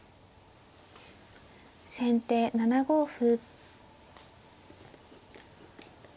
先手７五歩。